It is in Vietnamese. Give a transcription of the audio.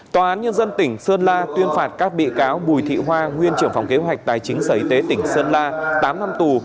tòa án nhân dân tỉnh sơn la tuyên phạt các bị cáo bùi thị hoa nguyên trưởng phòng kế hoạch tài chính sở y tế tỉnh sơn la tám năm tù